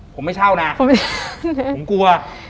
ผมกลัว